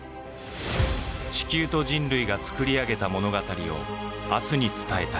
地球と人類が作り上げた物語を明日に伝えたい。